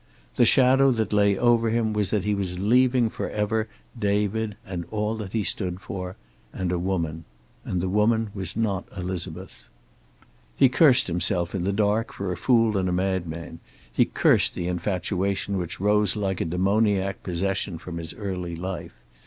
The shadow that lay over him was that he was leaving forever David and all that he stood for, and a woman. And the woman was not Elizabeth. He cursed himself in the dark for a fool and a madman; he cursed the infatuation which rose like a demoniac possession from his early life.